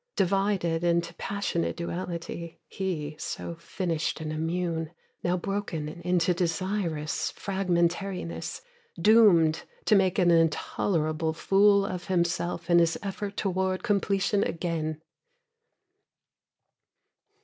Divided into passionate duality, He, so finished and immune, now broken into desirous fragmentariness, Doomed to make an intolerable fool of himself In his effort toward completion again.